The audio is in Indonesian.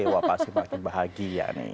wah pasti makin bahagia nih